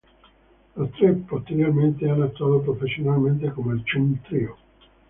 Los tres posteriormente han actuado profesionalmente como el Chung Trío.